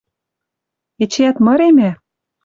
Эчеӓт мыремӓ